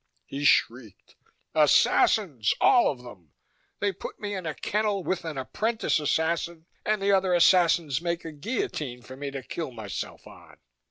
He shrieked, "Assassins! All of them! They put me in a kennel with the apprentice assassin, and the other assassins make a guillotine for me to kill myself on!"